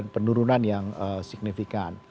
penurunan yang signifikan